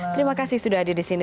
terima kasih sudah hadir di sini